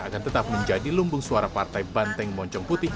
akan tetap menjadi lumbung suara partai banteng moncong putih